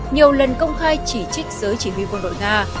nhiều lần công khai chỉ trích giới chỉ huy quân đội nga